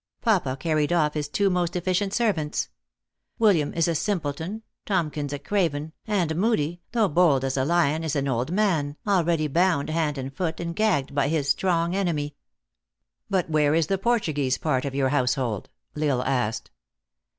Papa carried off his two most efficient servants. Wil liam is a simpleton, Tomkins a craven, and Moodie, though bold as a lion, is an old man, already bound hand and foot, and gagged by his strong enemy." THE ACTRESS IN HIGH LIFE. 373 " But where is the Portuguese part of your house hold ?" L Isle asked.